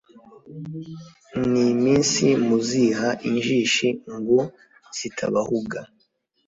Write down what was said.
ni iminsi muziha injishi ngo zitabahuga,